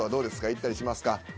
行ったりしますか？